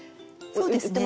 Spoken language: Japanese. そうですね。